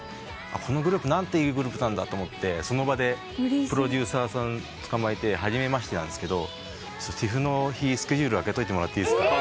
「このグループ何ていうグループなんだ？」と思ってその場でプロデューサーさんつかまえて「初めましてなんですけどＴＩＦの日スケジュール空けといてもらっていいですか？」